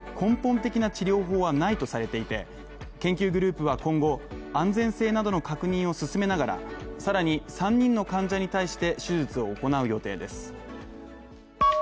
国内では毎年およそ５０００人が脊髄損傷の患者になる一方、根本的な治療法はないとされていて、研究グループは今後、安全性などの確認を進めながら、さらに３人の患者に対して手術を行う予定です。